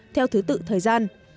theo thứ tự thời gian